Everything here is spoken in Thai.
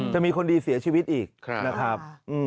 จะมีคนดีเสียชีวิตอีกนะครับ